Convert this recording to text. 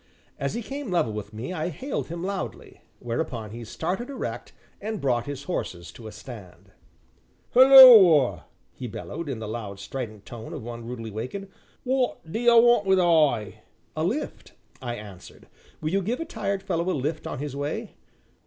As he came level with me I hailed him loudly, whereupon he started erect and brought his horses to a stand: "Hulloa!" he bellowed, in the loud, strident tone of one rudely awakened, "w'at do 'ee want wi' I?" "A lift," I answered, "will you give a tired fellow a lift on his way?"